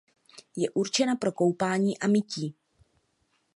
Je určena pro koupání a mytí.